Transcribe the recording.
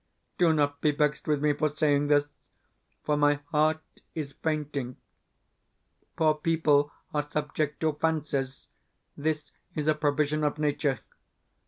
Do not be vexed with me for saying this, for my heart is fainting. Poor people are subject to fancies this is a provision of nature.